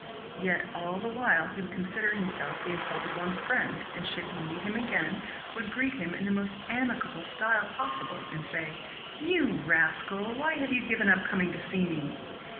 Yet all the while he would consider himself the insulted one's friend, and, should he meet him again, would greet him in the most amicable style possible, and say, "You rascal, why have you given up coming to see me."